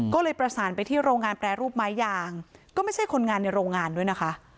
ก็เลยประสานไปที่โรงงานแปรรูปไม้ยางก็ไม่ใช่คนงานในโรงงานด้วยนะคะ